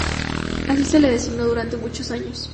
Así se la designó durante muchos años.